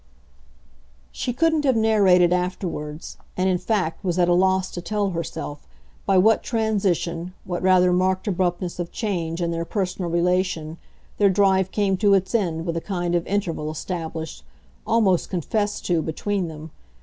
She couldn't have narrated afterwards and in fact was at a loss to tell herself by what transition, what rather marked abruptness of change in their personal relation, their drive came to its end with a kind of interval established, almost confessed to, between them.